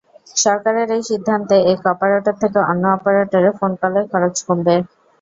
সরকারের এই সিদ্ধান্তে এক অপারেটর থেকে অন্য অপারেটরে ফোনকলের খরচ কমবে।